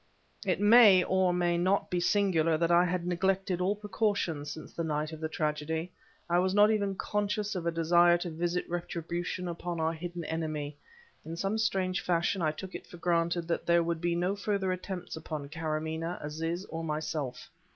It may, or may not be singular that I had neglected all precautions since the night of the tragedy; I was not even conscious of a desire to visit retribution upon our hidden enemy; in some strange fashion I took it for granted that there would be no further attempts upon Karamaneh, Aziz, or myself.